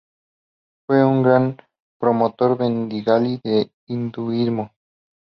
Fue un gran promotor bengalí del hinduismo.